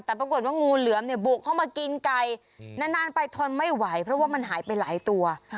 แต่ปรากฏว่างูเหลือมเนี่ยบุกเข้ามากินไก่นานไปทนไม่ไหวเพราะว่ามันหายไปหลายตัว